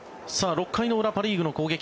６回の裏、パ・リーグの攻撃。